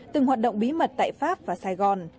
từng hoạt động bí mật tại pháp và sài gòn